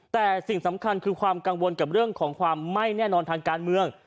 แต่สิ่งสำคัญคือความกังวลกับเรื่องของความไม่แน่นอนทางการเมือง